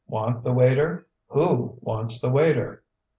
Want the waiter? Who wants the waiter?"